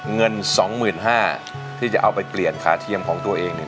เงิน๒๕๐๐บาทที่จะเอาไปเปลี่ยนขาเทียมของตัวเองเนี่ย